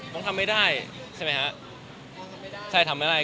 แต่ผมทำไม่ได้ไงผมทำไม่ได้